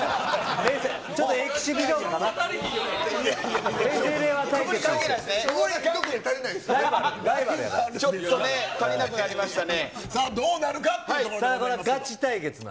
ちょっとエキシビションかな。